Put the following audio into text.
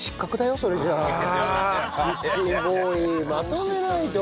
キッチンボーイまとめないと。